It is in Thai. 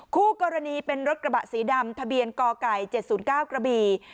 คู่กรณีเป็นรถกระบะสีดำทะเบียนกไก่๗๐๙กระบี่